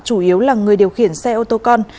chủ yếu là người điều khiển xe ô tô con